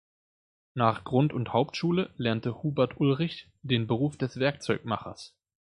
Nach Grund- und Hauptschule lernte Hubert Ulrich den Beruf des Werkzeugmachers.